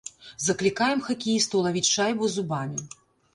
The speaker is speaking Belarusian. Заклікаем хакеістаў лавіць шайбу зубамі.